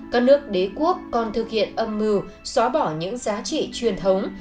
các nước đế quốc còn thực hiện âm mưu xóa bỏ những giá trị truyền thống